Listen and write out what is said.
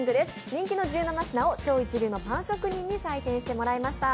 人気の１７品を超一流のパン職人に採点していただきました。